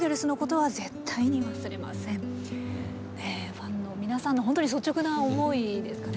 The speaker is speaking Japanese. ファンの皆さんの本当に率直な思いですかね？